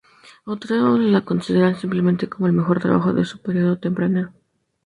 Otros la consideran simplemente como el mejor trabajo de su periodo tempranero.